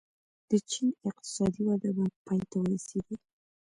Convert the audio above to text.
د چین اقتصادي وده به پای ته ورسېږي.